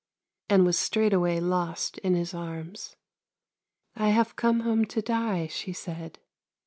" and was straightway lost in his arms. " I have come home to die," she said.